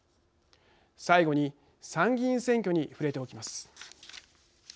最後に参議院選挙に触れておきます。